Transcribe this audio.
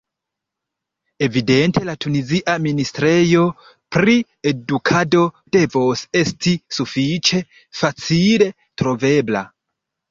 Evidente la Tunizia ministrejo pri edukado devos esti sufiĉe facile trovebla.